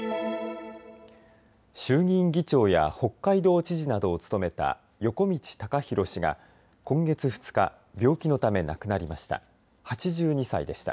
衆議院議長や北海道知事などを務めた横路孝弘氏が今月２日、病気のため亡くなりました。